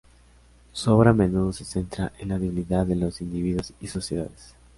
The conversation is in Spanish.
Su obra a menudo se centra en la debilidad de los individuos y sociedades.